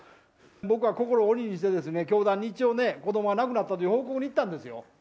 僕は心を鬼にして、教団に一応ね、子どもが亡くなったという報告に行ったんですよ。